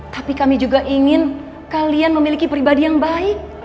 tapi kami juga ingin kalian memiliki pribadi yang baik